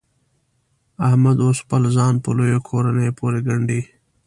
احمد اوس خپل ځان په لویو کورنیو پورې ګنډي.